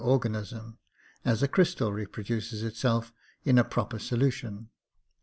organism, as a crystal reproduces itself in a proper solution.